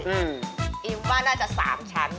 อิมว่าน่าจะ๓ชั้น